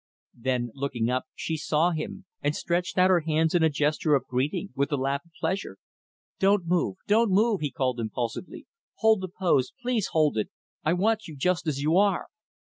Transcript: Then, looking up, she saw him, and stretched out her hands in a gesture of greeting, with a laugh of pleasure. "Don't move, don't move!" he called impulsively. "Hold the pose please hold it! I want you just as you are!"